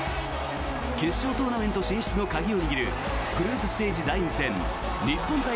決勝トーナメント進出の鍵を握るグループリーグ第２戦日本対